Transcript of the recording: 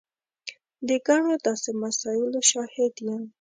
د ګڼو داسې مسایلو شاهد یم.